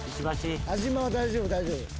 安嶋は大丈夫大丈夫。